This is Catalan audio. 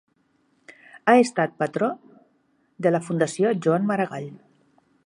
Ha estat patró de la Fundació Joan Maragall.